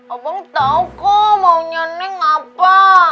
abang tau kok maunya neng apa